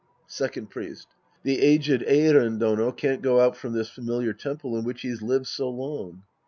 Second Priest. The aged Eiren Dono can't go out from this familiar temple in which he's lived so long.